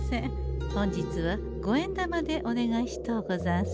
本日は五円玉でお願いしとうござんす。